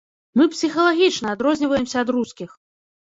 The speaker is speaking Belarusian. Мы псіхалагічна адрозніваемся ад рускіх!